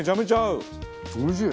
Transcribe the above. おいしい。